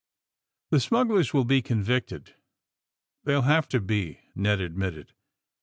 The smugglers will be convicted — ^they'll have to be," Ned admitted.